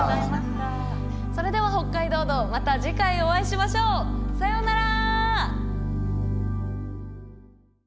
それでは「北海道道」また次回お会いしましょう。さようなら。